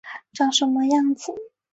长什么样子